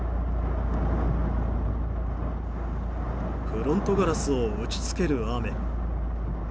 フロントガラスを打ち付ける雨。